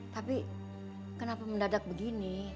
tapi kenapa mendadak begini